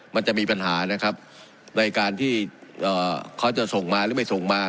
มันจะมีปัญหานะครับในการที่เขาจะส่งมาหรือไม่ส่งมา